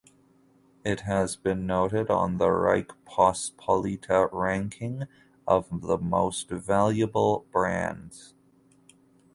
It has been noted on the "Rzeczpospolita" Ranking of the Most Valuable Brands.